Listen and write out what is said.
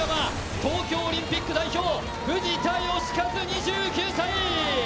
東京オリンピック代表藤田慶和２９歳。